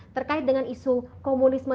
terkait dengan isu komunisme